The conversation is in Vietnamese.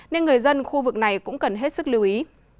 nên người dân khu vực này cũng cần hết sức lưu ý